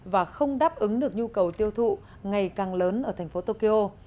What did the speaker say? và không đáp ứng được nhu cầu tiêu thụ ngày càng lớn ở thành phố tokyo